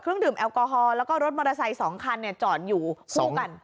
แล้วก็รถมอเบอร์ไซสองคันเนี่ยจอดอยู่คู่กัน